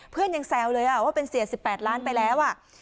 เพื่อนยังแซวเลยว่าเป็นเสีย๑๘ล้านไปแล้ว